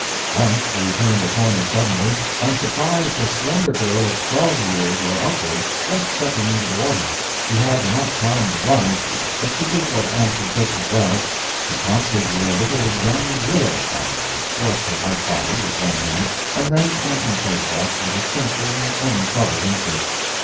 Once we turned a corner suddenly and surprised a slender girl of twelve years or upward, just stepping into the water. She had not time to run, but she did what answered just as well; she promptly drew a lithe young willow bough athwart her white body with one hand, and then contemplated us with a simple and untroubled interest.